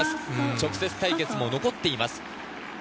直接対決も残っています。